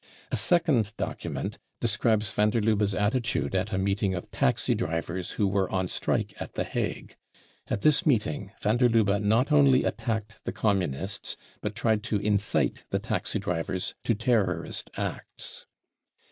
| A second document describes van der Lubbe's attitude at * a meeting of taxi drivers who were on strike at the Hague. At this* meeting van der Lubbe not only* attacked the Communists but tried to incite the taxi drivers to terrorist acts?